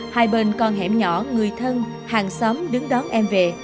hai bên con hẻm nhỏ người thân hàng xóm đứng đón em về